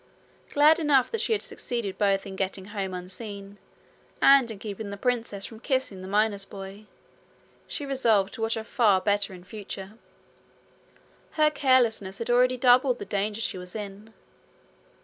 Glad enough that she had succeeded both in getting home unseen, and in keeping the princess from kissing the miner's boy, she resolved to watch her far better in future. Her carelessness had already doubled the danger she was in.